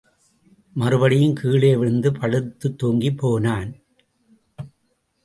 மறுபடியும் கீழே விழுந்து படுத்துத் தூங்கிப் போனான்.